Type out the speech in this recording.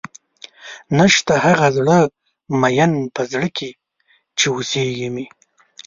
نيشته هغه زړۀ ميئن پۀ زړۀ کښې چې اوسېږي مې